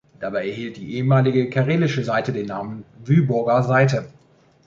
Dabei erhielt die ehemalige Karelische Seite den Namen Wyborger Seite.